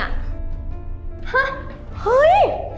ฮะเห้ย